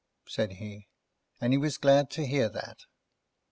said he. And he was glad to hear that.